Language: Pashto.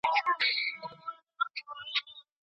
ایا د اسلام مبارک دين د واده ميلمستيا مستحبه ګڼلې ده؟